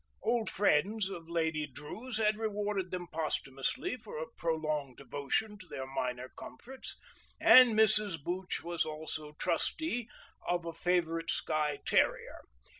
Old friends of Lady Drew's had rewarded them posthumously for a prolonged devotion to their minor comforts, and Mrs. Booch was also trustee for a favourite Skye terrier.